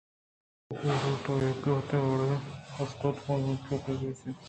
کاف برفءِ تہا ایوکیں بتُے ءِ وڑا اوشتوک اَت انچوش کہ بے وس ءُبے تما ہ ہمے برف ءِ سارتیں گوٛاتانی تہایل کنگ بوتگ